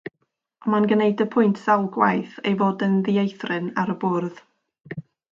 Mae'n gwneud y pwynt sawl gwaith ei fod yn “ddieithryn” ar y bwrdd.